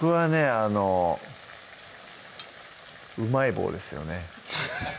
あの「うまい棒」ですよね